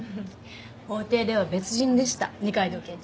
法廷では別人でした二階堂検事。